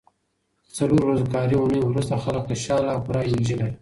د څلورو ورځو کاري اونۍ وروسته خلک خوشاله او پوره انرژي لري.